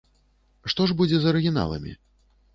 Што ж будзе з арыгіналамі?